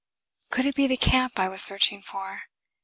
] Could it be the camp I was searching for?